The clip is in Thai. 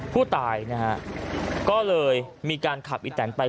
ผู้ตายนะฮะก็เลยมีการขับอีแตนไป